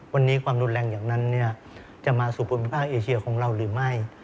วันนี้ความรุนแรงอย่างนั้นจะมาสู่ภูมิภาคเอเชียของเราหรือไม่